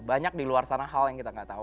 banyak di luar sana hal yang kita nggak tahu